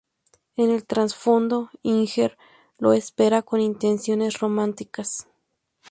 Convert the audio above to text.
En el trasfondo, Inger lo espera con intenciones románticas.